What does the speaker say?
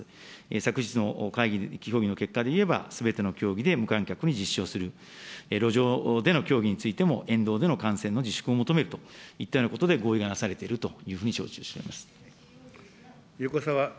昨日の会議の結果でいえば、すべての競技で無観客に実施をする、路上での競技についても沿道での観戦の自粛を求めるといったようなことで合意がなされているということで承知をしております。